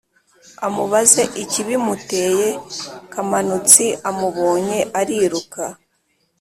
amubaze ikibimuteye. Kamanutsi amubonye ariruka